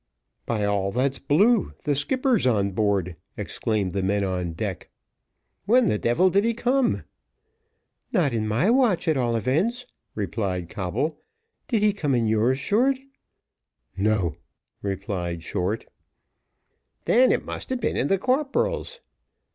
"By all that's blue, the skipper's on board!" exclaimed the men on deck. "When the devil did he come?" "Not in my watch, at all events," replied Coble. "Did he come in yours, Short?" "No," replied Short. "Then it must have been in the corporal's."